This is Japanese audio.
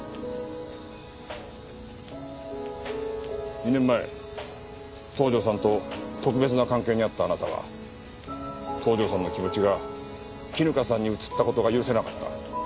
２年前東条さんと特別な関係にあったあなたは東条さんの気持ちが絹香さんに移った事が許せなかった。